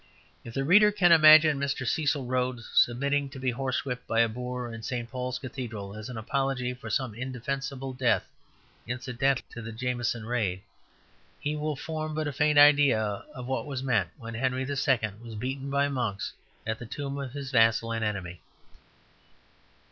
If the reader can imagine Mr. Cecil Rhodes submitting to be horsewhipped by a Boer in St. Paul's Cathedral, as an apology for some indefensible death incidental to the Jameson Raid, he will form but a faint idea of what was meant when Henry II. was beaten by monks at the tomb of his vassal and enemy.